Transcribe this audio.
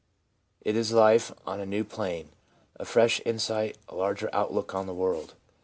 It is life on a new plane, a fresh insight, a larger outlook on the world.